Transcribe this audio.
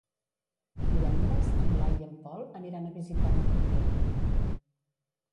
Divendres en Blai i en Pol aniran a visitar mon oncle.